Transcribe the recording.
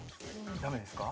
ダメですか？